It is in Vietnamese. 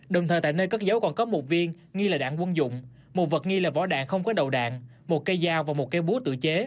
đồng thời tại nơi cất dấu còn có một viên nghi là đạn quân dụng một vật nghi là vỏ đạn không có đầu đạn một cây dao và một cây búa tự chế